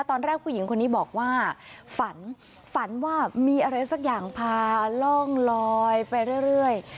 ตอนแรกผู้หญิงคนนี้บอกว่าฝันฝันว่ามีอะไรสักอย่างพาร่องลอยไปเรื่อย